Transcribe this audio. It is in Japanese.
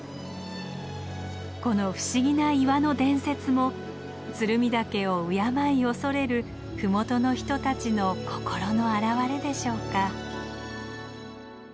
この不思議な岩の伝説も鶴見岳を敬い恐れる麓の人たちの心の現れでしょうか。